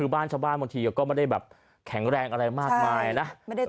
บ้านชาวบ้านบางทีก็ไม่ได้แบบแข็งแรงอะไรมากมายนะ